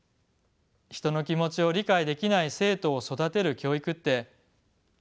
人の気持ちを理解できない生徒を育てる教育って正しいのか？